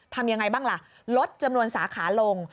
ทำยังไงบ้างล่ะลดจำนวนสาขาลง